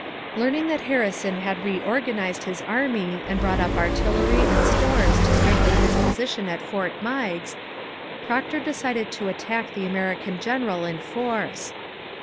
Learning that Harrison had reorganized his army and brought up artillery and stores to strengthen his position at Fort Meigs, Procter decided to attack the American general in force.